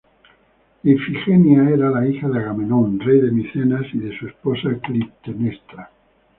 Ifigenia era la hija de Agamenón, rey de Micenas, y de su esposa Clitemnestra.